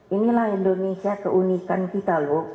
inilah indonesia keunikan kita loh